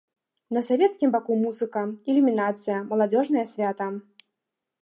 На савецкім баку музыка, ілюмінацыя, маладзёжнае свята.